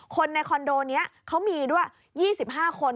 คนในคอนโดนี้เขามีด้วย๒๕คน